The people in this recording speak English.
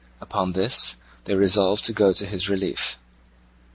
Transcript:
Upon this they resolved to go to his relief.